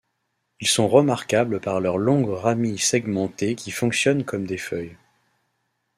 Ils sont remarquables par leur longues ramilles segmentées qui fonctionnent comme des feuilles.